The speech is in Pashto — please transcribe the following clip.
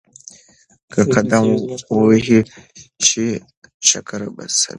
که قدم ووهل شي شکر به ثابت شي.